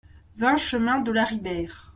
vingt chemin de la Ribeyre